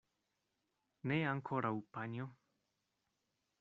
Ne ankoraŭ, panjo.